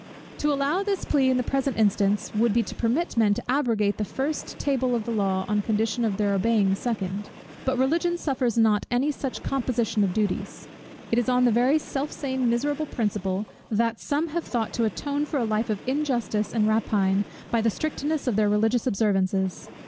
To allow this plea in the present instance, would be to permit men to abrogate the first table of the law on condition of their obeying the second. But Religion suffers not any such composition of duties. It is on the very self same miserable principle, that some have thought to atone for a life of injustice and rapine by the strictness of their religious observances.